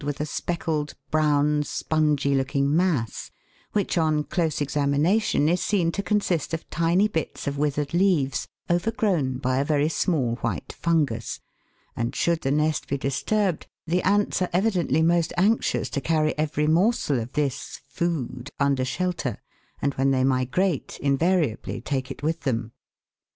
213 with a speckled brown spongy looking mass, which, on close examination, is seen to consist of tiny bits of withered leaves, overgrown by a very small white fungus ; and should the nest be disturbed, the ants are evidently most anxious to carry every morsel of this " food " under shelter, and when they migrate invariably take it with them.